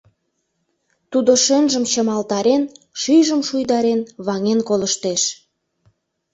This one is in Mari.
Тудо шӧнжым чымалтарен, шӱйжым шуйдарен, ваҥен колыштеш.